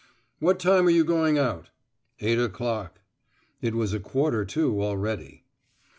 "What time are you going out?" "Eight o'clock." It was a quarter to already.